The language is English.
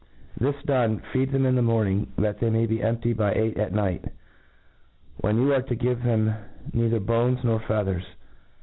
This done, feed them in the morning, that they may be empty by eight at night, when you are to give neither bones nor feathers.